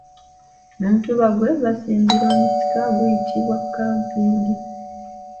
Omutuba gwe basimbira omusika guyitibwa kampindi.